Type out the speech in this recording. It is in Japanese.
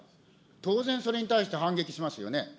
当然、それに対して反撃しますよね。